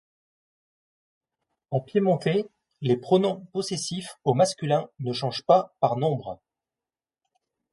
En piémontais, les pronoms possessifs au masculin ne changent pas par nombre.